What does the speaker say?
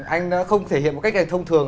anh không thể hiện một cách thông thường